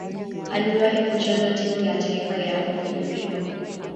Aliwahi kucheza timu ya taifa ya Ufilipino.